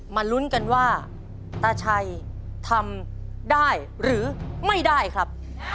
ลุ้นกันว่าตาชัยทำได้หรือไม่ได้ครับ